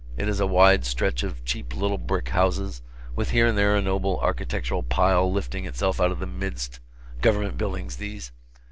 It is a wide stretch of cheap little brick houses, with here and there a noble architectural pile lifting itself out of the midst government buildings, these.